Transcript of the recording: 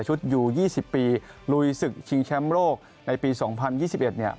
อยู่๒๐ปีลุยศึกชิงแชมป์โลกในปี๒๐๒๑เนี่ย